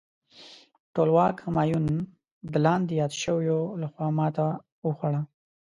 ټولواک همایون د لاندې یاد شویو لخوا ماته وخوړه.